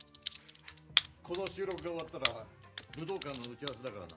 この収録が終わったら武道館の打ち合わせだからな。